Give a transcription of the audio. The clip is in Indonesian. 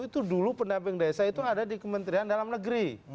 itu dulu pendamping desa itu ada di kementerian dalam negeri